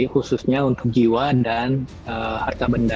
khususnya untuk jiwa dan harta benda